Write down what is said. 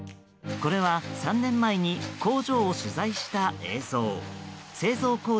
これは、３年前に工場を取材した映像。